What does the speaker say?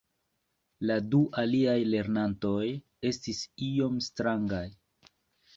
la du aliaj lernantoj estis iom strangaj